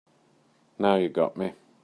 Now you got me.